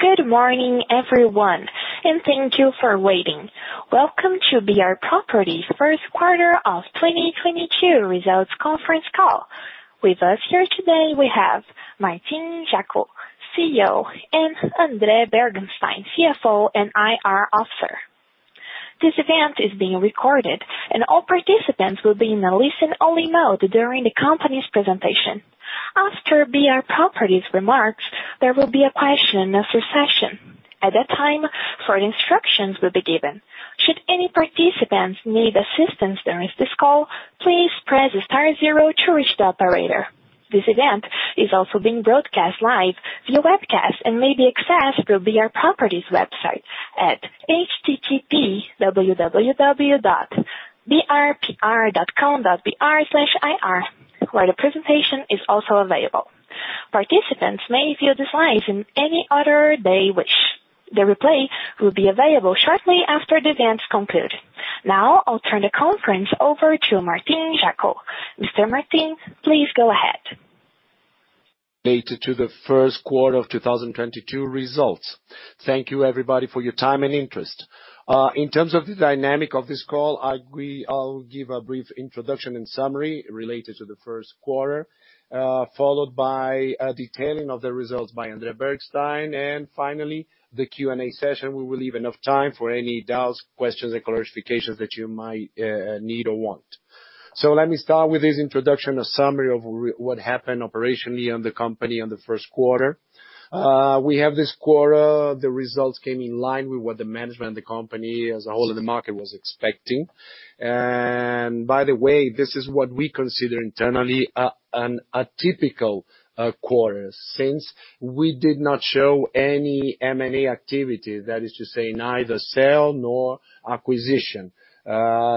Good morning, everyone, and thank you for waiting. Welcome to BR Properties' first quarter of 2022 results conference call. With us here today we have Martín Jaco, CEO, and André Bergstein, CFO and IR Officer. This event is being recorded, and all participants will be in a listen-only mode during the company's presentation. After BR Properties' remarks, there will be a question-and-answer session. At that time, further instructions will be given. Should any participants need assistance during this call, please press star zero to reach the operator. This event is also being broadcast live via webcast and may be accessed through BR Properties' website at http://www.brpr.com.br/ir, where the presentation is also available. Participants may view the slides in any order they wish. The replay will be available shortly after the event conclude. Now I'll turn the conference over to Martín Jaco. Mr. Martin, please go ahead. Related to the first quarter of 2022 results. Thank you, everybody, for your time and interest. In terms of the dynamics of this call, I'll give a brief introduction and summary related to the first quarter, followed by a detailing of the results by André Bergstein, and finally, the Q&A session. We will leave enough time for any doubts, questions, and clarifications that you might need or want. Let me start with this introduction, a summary of what happened operationally in the company in the first quarter. We have this quarter, the results came in line with what the management of the company as a whole and the market was expecting. By the way, this is what we consider internally a typical quarter since we did not show any M&A activity, that is to say neither sale nor acquisition.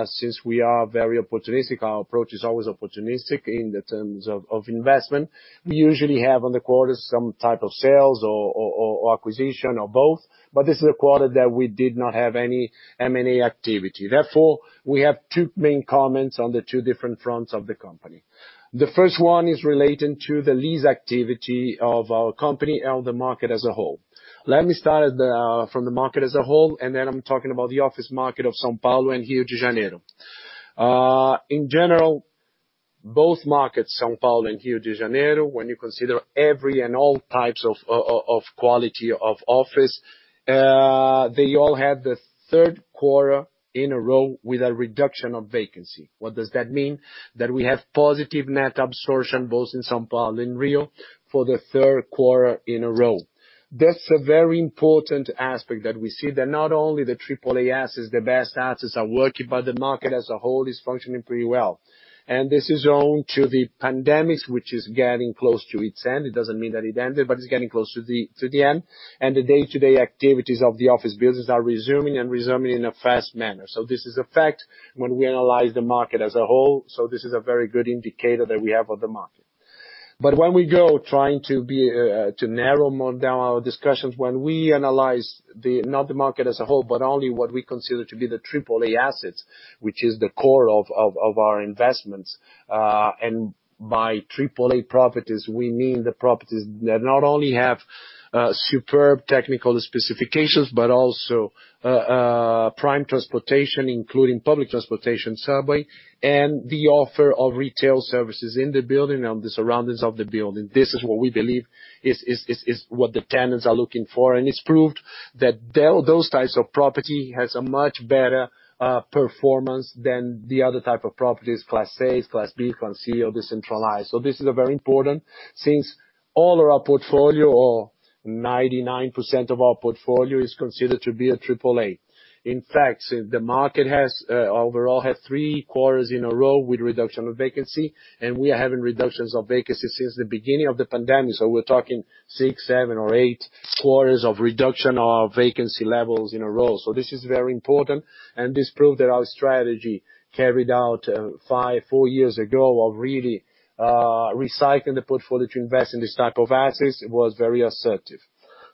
Since we are very opportunistic, our approach is always opportunistic in the terms of investment. We usually have on the quarter some type of sales or acquisition or both. This is a quarter that we did not have any M&A activity. Therefore, we have two main comments on the two different fronts of the company. The first one is relating to the lease activity of our company and the market as a whole. Let me start from the market as a whole, then I'm talking about the office market of São Paulo and Rio de Janeiro. In general, both markets, São Paulo and Rio de Janeiro, when you consider every and all types of quality of office, they all had the third quarter in a row with a reduction of vacancy. What does that mean? That we have positive net absorption both in São Paulo and Rio for the third quarter in a row. That's a very important aspect that we see that not only the triple A assets, the best assets are working, but the market as a whole is functioning pretty well. This is owing to the pandemic, which is getting close to its end. It doesn't mean that it ended, but it's getting close to the end. The day-to-day activities of the office buildings are resuming in a fast manner. This is a fact when we analyze the market as a whole. This is a very good indicator that we have of the market. When we go trying to be to narrow more down our discussions, when we analyze the not the market as a whole, but only what we consider to be the triple A assets, which is the core of our investments. By triple A properties, we mean the properties that not only have superb technical specifications, but also prime transportation, including public transportation, subway, and the offer of retail services in the building and the surroundings of the building. This is what we believe is what the tenants are looking for. It's proved that those types of property has a much better performance than the other type of properties, class As, class B, class C, or decentralized. This is very important since all of our portfolio or 99% of our portfolio is considered to be a triple A. In fact, the market has overall had three quarters in a row with reduction of vacancy, and we are having reductions of vacancy since the beginning of the pandemic, so we're talking six, seven, or eight quarters of reduction of vacancy levels in a row. This is very important, and this proved that our strategy carried out five, four years ago of really recycling the portfolio to invest in this type of assets was very assertive.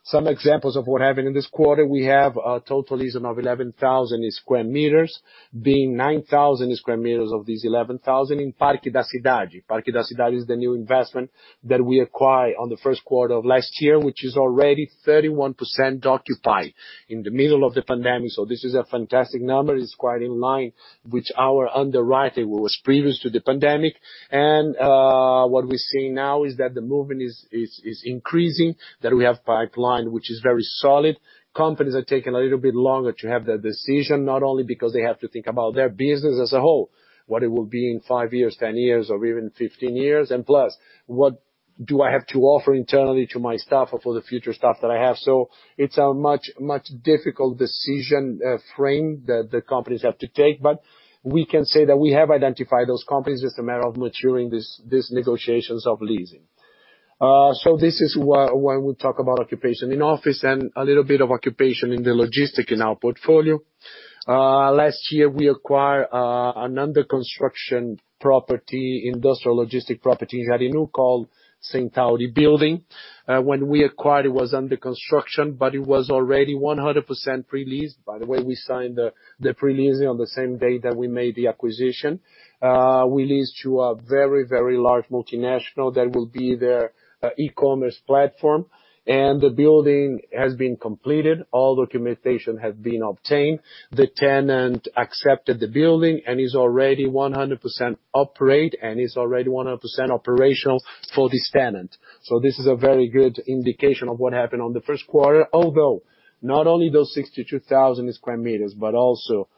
Some examples of what happened in this quarter, we have a total lease of 11,000 sq m, being 9,000 sq m of these 11,000 in Parque da Cidade. Parque da Cidade is the new investment that we acquire on the first quarter of last year, which is already 31% occupied in the middle of the pandemic. This is a fantastic number. It's quite in line with our underwriting. It was previous to the pandemic. What we're seeing now is that the movement is increasing, that we have pipeline which is very solid. Companies are taking a little bit longer to have that decision, not only because they have to think about their business as a whole, what it will be in five years, 10 years, or even 15 years. Plus, what do I have to offer internally to my staff or for the future staff that I have? It's a much more difficult decision that the companies have to take. We can say that we have identified those companies. It's a matter of maturing these negotiations of leasing. This is why we talk about occupation in office and a little bit of occupation in the logistics in our portfolio. Last year we acquired an under-construction property, industrial logistics property in Rio called Centauri Building. When we acquired, it was under construction, but it was already 100% pre-leased. By the way, we signed the pre-leasing on the same day that we made the acquisition. We leased to a very, very large multinational that will be their e-commerce platform, and the building has been completed. All documentation has been obtained. The tenant accepted the building and is already 100% operational for this tenant. This is a very good indication of what happened in the first quarter. Although, not only those 62,000 sq m, but also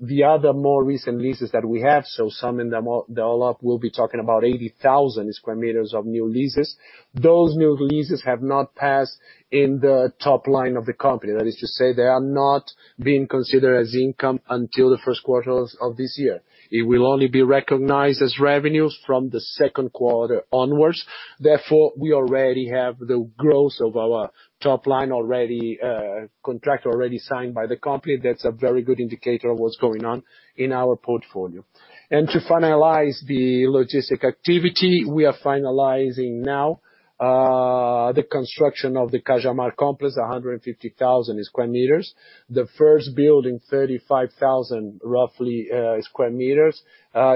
the other more recent leases that we have. Summing them all up, we'll be talking about 80,000 sq m of new leases. Those new leases have not passed in the top line of the company. That is to say they are not being considered as income until the first quarter of this year. It will only be recognized as revenues from the second quarter onwards. Therefore, we already have the growth of our top line already, contract already signed by the company. That's a very good indicator of what's going on in our portfolio. To finalize the logistics activity, we are finalizing now the construction of the Cajamar Complex, 150,000 sq m. The first building, 35,000, roughly, sq m,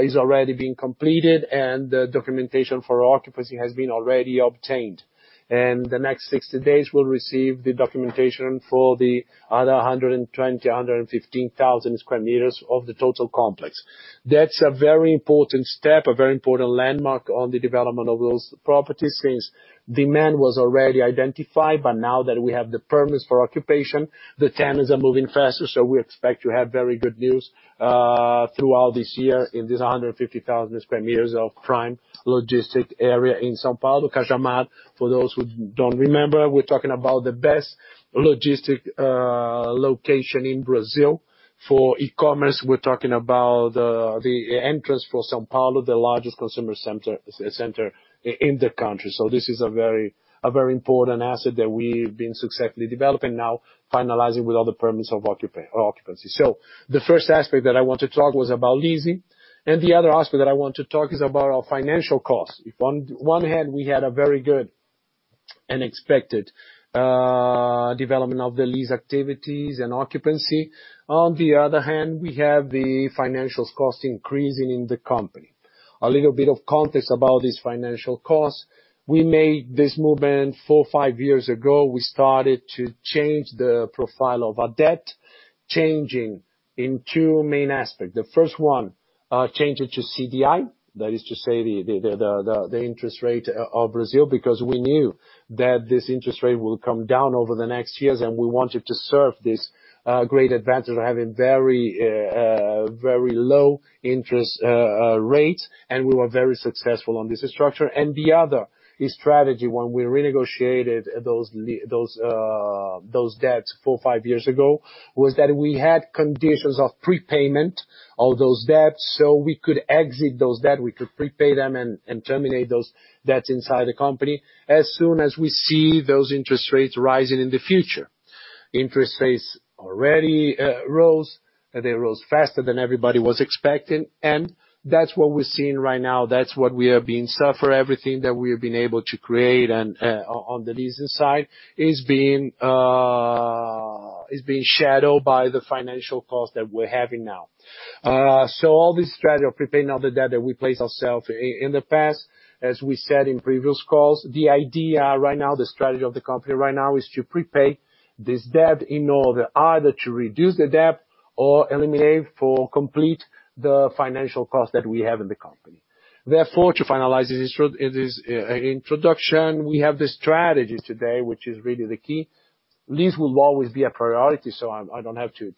is already being completed, and the documentation for occupancy has been already obtained. In the next 60 days, we'll receive the documentation for the 110,000 sq m-115,000 sq m of the total complex. That's a very important step, a very important landmark on the development of those properties since demand was already identified. Now that we have the permits for occupation, the tenants are moving faster, so we expect to have very good news throughout this year in this 150,000 sq m of prime logistics area in São Paulo. Cajamar, for those who don't remember, we're talking about the best logistics location in Brazil. For e-commerce, we're talking about the entrance to São Paulo, the largest consumer center in the country. This is a very important asset that we've been successfully developing, now finalizing with all the permits of occupancy. The first aspect that I want to talk was about leasing. The other aspect that I want to talk is about our financial costs. On one hand, we had a very good and expected development of the lease activities and occupancy. On the other hand, we have the financial costs increasing in the company. A little bit of context about this financial cost. We made this movement four to five years ago. We started to change the profile of our debt, changing in two main aspects. The first one, change it to CDI. That is to say the interest rate of Brazil, because we knew that this interest rate will come down over the next years, and we wanted to seize this great advantage of having very low interest rate, and we were very successful on this structure. The other strategy when we renegotiated those debts four to five years ago, was that we had conditions of prepayment all those debts. So we could exit those debt, we could prepay them and terminate those debts inside the company as soon as we see those interest rates rising in the future. Interest rates already rose. They rose faster than everybody was expecting. That's what we're seeing right now. That's what we have been suffering. Everything that we have been able to create and on the leasing side is being shadowed by the financial costs that we're having now. All this strategy of prepaying all the debt that we placed ourself in the past, as we said in previous calls, the idea right now, the strategy of the company right now is to prepay this debt in order either to reduce the debt or eliminate completely the financial cost that we have in the company. Therefore, to finalize this introduction, we have the strategy today, which is really the key. Lease will always be a priority, so I don't have to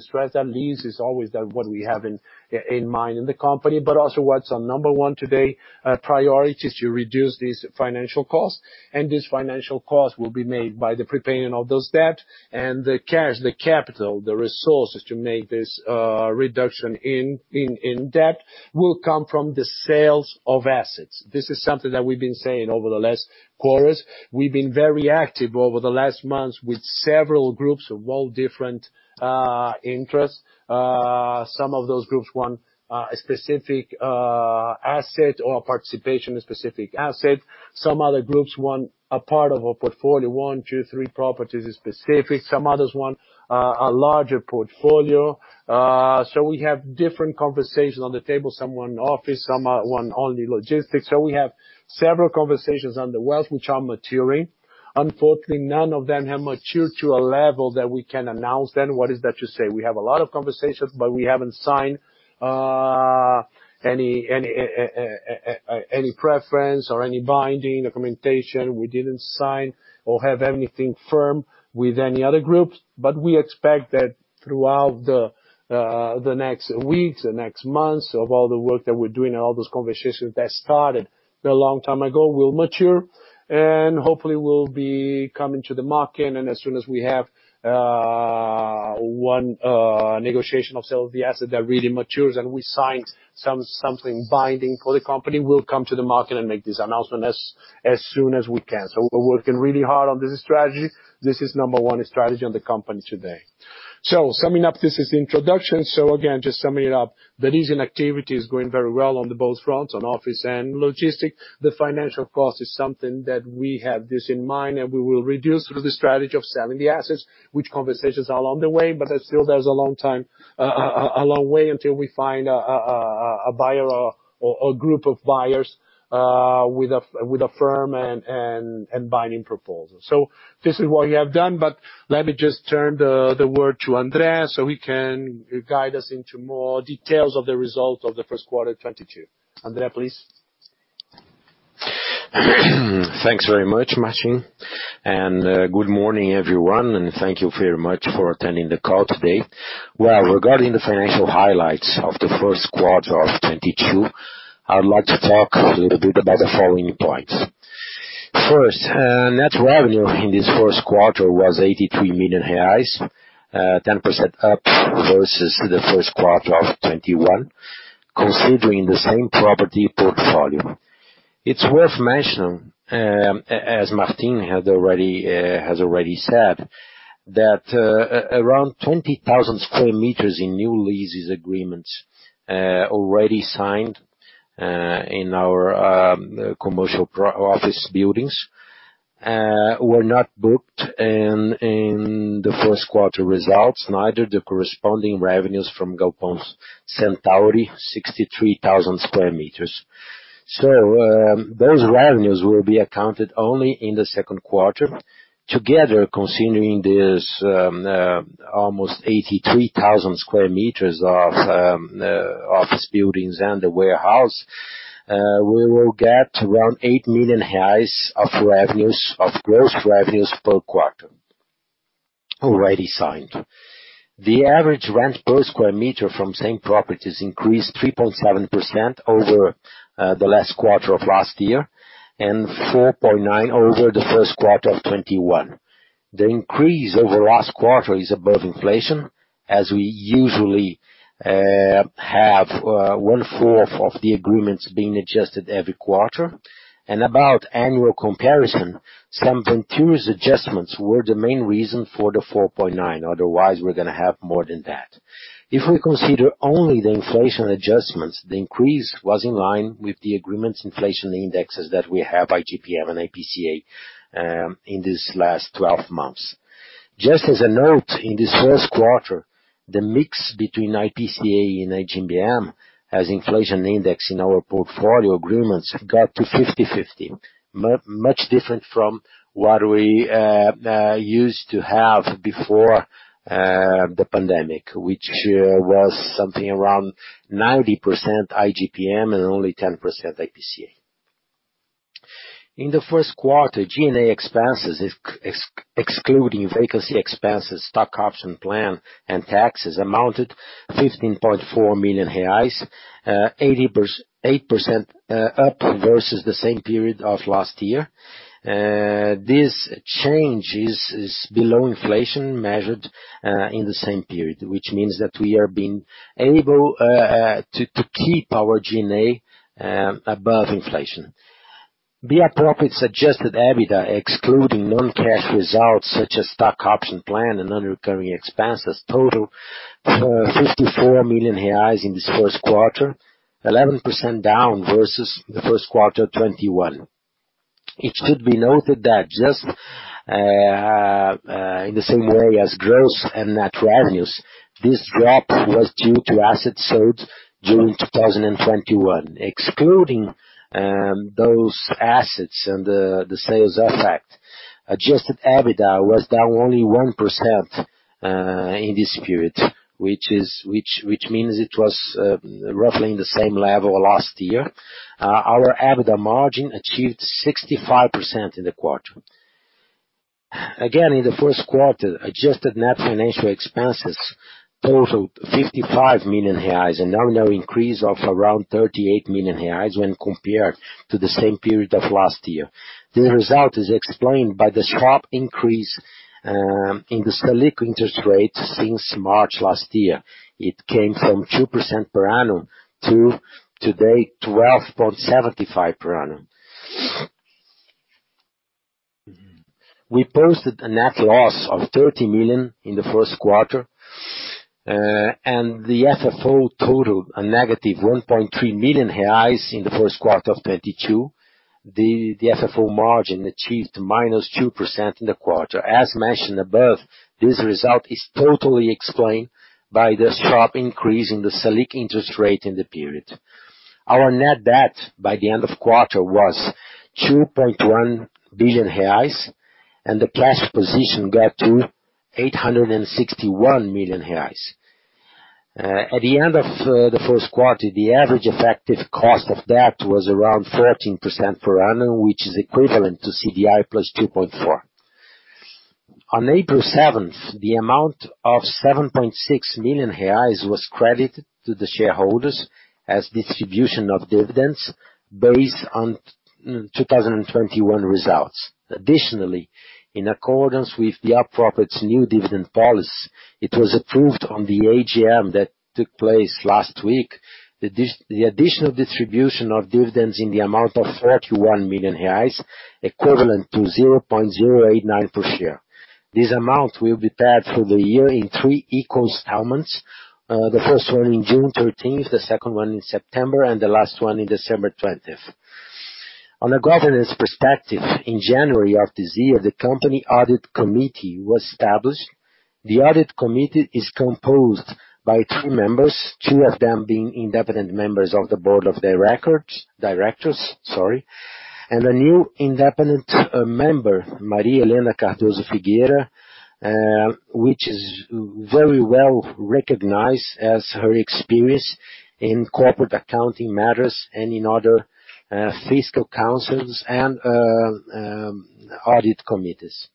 stress that. Lease is always what we have in mind in the company, but also what's our number one today priority is to reduce these financial costs. This financial cost will be made by the prepaying of those debt and the cash, the capital, the resources to make this reduction in debt will come from the sales of assets. This is something that we've been saying over the last quarters. We've been very active over the last months with several groups of all different interests. Some of those groups want a specific asset or a participation in a specific asset. Some other groups want a part of our portfolio, one, two, three properties specific. Some others want a larger portfolio. We have different conversations on the table. Some want office, some want only logistics. We have several conversations on the deals which are maturing. Unfortunately, none of them have matured to a level that we can announce them. What is that to say? We have a lot of conversations, but we haven't signed any preference or any binding documentation. We didn't sign or have anything firm with any other groups. We expect that throughout the next weeks, the next months of all the work that we're doing and all those conversations that started a long time ago will mature. Hopefully we'll be coming to the market, and as soon as we have one negotiation of sale of the asset that really matures, and we signed something binding for the company, we'll come to the market and make this announcement as soon as we can. We're working really hard on this strategy. This is number one strategy on the company today. Summing up, this is the introduction. Again, just summing it up, the leasing activity is going very well on both fronts, on office and logistics. The financial cost is something that we have this in mind, and we will reduce through the strategy of selling the assets, which conversations are along the way, but there's still a long way until we find a buyer or a group of buyers with a firm and binding proposal. This is what we have done, but let me just turn the word to André, so he can guide us into more details of the result of the first quarter 2022. André, please. Thanks very much, Martin. Good morning, everyone, and thank you very much for attending the call today. Well, regarding the financial highlights of the first quarter of 2022, I would like to talk a little bit about the following points. First, net revenue in this first quarter was 83 million reais, 10% up versus the first quarter of 2021, considering the same property portfolio. It's worth mentioning, as Martin has already said that, around 20,000 sq m in new lease agreements, already signed, in our commercial office buildings, were not booked in the first quarter results, neither the corresponding revenues from galpoes Centauri 63,000 sq m. Those revenues will be accounted only in the second quarter. Together, considering this, almost 83,000 sq m of office buildings and the warehouse, we will get around 8 million reais of gross revenues per quarter already signed. The average rent per square meter from same properties increased 3.7% over the last quarter of last year, and 4.9% over the first quarter of 2021. The increase over last quarter is above inflation, as we usually have 1/4 of the agreements being adjusted every quarter. About annual comparison, some contractual adjustments were the main reason for the 4.9%. Otherwise, we're gonna have more than that. If we consider only the inflation adjustments, the increase was in line with the agreement inflation indexes that we have, IGPM and IPCA, in this last 12 months. Just as a note, in this first quarter, the mix between IPCA and IGPM as inflation index in our portfolio agreements got to 50/50, much different from what we used to have before the pandemic, which was something around 90% IGPM and only 10% IPCA. In the first quarter, G&A expenses excluding vacancy expenses, stock option plan, and taxes amounted 15.4 million reais, 8% up versus the same period of last year. This change is below inflation measured in the same period, which means that we are being able to keep our G&A above inflation. BI profit adjusted EBITDA excluding non-cash results such as stock option plan and non-recurring expenses total for 54 million reais in this first quarter, 11% down versus the first quarter 2021. It should be noted that just in the same way as gross and net revenues, this drop was due to assets sold during 2021. Excluding those assets and the sales effect, adjusted EBITDA was down only 1% in this period, which means it was roughly in the same level last year. Our EBITDA margin achieved 65% in the quarter. Again, in the first quarter, adjusted net financial expenses totaled 55 million reais, an annual increase of around 38 million reais when compared to the same period of last year. The result is explained by the sharp increase in the Selic interest rate since March last year. It came from 2% per annum to today, 12.75% per annum. We posted a net loss of 30 million in the first quarter, and the FFO totaled a negative 1.3 million reais in the first quarter of 2022. The FFO margin achieved -2% in the quarter. As mentioned above, this result is totally explained by the sharp increase in the Selic interest rate in the period. Our net debt by the end of quarter was 2.1 billion reais, and the cash position got to 861 million reais. At the end of the first quarter, the average effective cost of debt was around 14% per annum, which is equivalent to CDI +2.4. On April 7th, the amount of 7.6 million reais was credited to the shareholders as distribution of dividends based on 2021 results. Additionally, in accordance with the BR Properties new dividend policy, it was approved on the AGM that took place last week. The additional distribution of dividends in the amount of 41 million reais, equivalent to 0.089 per share. This amount will be paid through the year in three equal installments. The first one in June 13th, the second one in September, and the last one in December 20th. On a governance perspective, in January of this year, the company audit committee was established. The audit committee is composed by two members, two of them being independent members of the board of directors. A new independent member, Maria Helena Cardoso Figueira, which is very well-recognized for her experience in corporate accounting matters and in other fiscal councils and audit committees.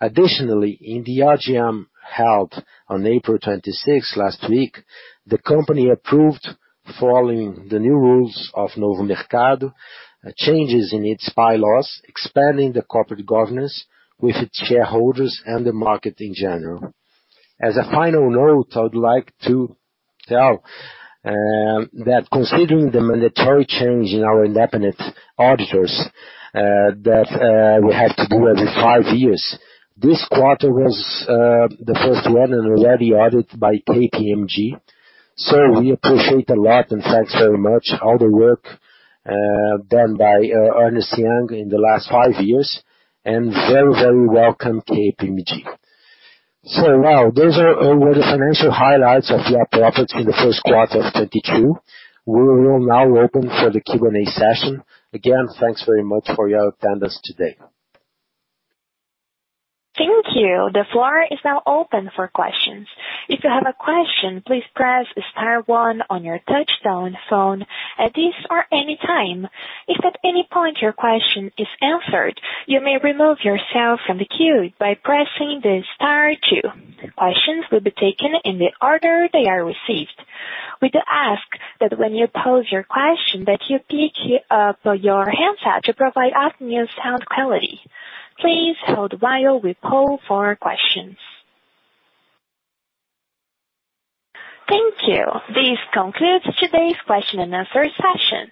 Additionally, in the AGM held on April 26 last week, the company approved following the new rules of Novo Mercado, changes in its bylaws, expanding the corporate governance with its shareholders and the market in general. As a final note, I would like to tell that considering the mandatory change in our independent auditors, that we have to do every five years, this quarter was the first one and already audited by KPMG. We appreciate a lot and thanks very much all the work done by Ernst & Young in the last five years, and very, very welcome, KPMG. Now those are all the financial highlights of BR Properties in the first quarter of 2022. We will now open for the Q&A session. Again, thanks very much for your attendance today. Thank you. The floor is now open for questions. If you have a question, please press star one on your touchtone phone at this or any time. If at any point your question is answered, you may remove yourself from the queue by pressing the star two. Questions will be taken in the order they are received. We do ask that when you pose your question that you pick up your handset to provide us new sound quality. Please hold while we poll for questions. Thank you. This concludes today's question-and-answer session.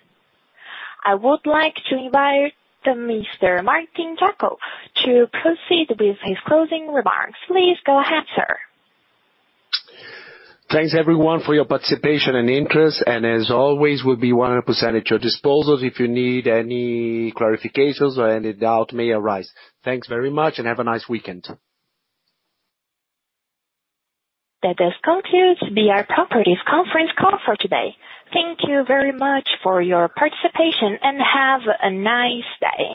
I would like to invite Mr. Martín Jaco to proceed with his closing remarks. Please go ahead, sir. Thanks everyone for your participation and interest, and as always, we'll be 100% at your disposal if you need any clarifications or any doubt may arise. Thanks very much and have a nice weekend. That does conclude BR Properties conference call for today. Thank you very much for your participation, and have a nice day.